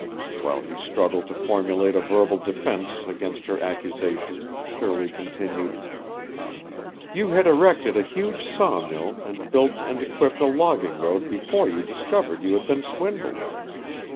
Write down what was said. While he struggled to formulate a verbal defense against her accusation Shirley continued: "You had erected a huge sawmill and built and equipped a logging road before you discovered you had been swindled.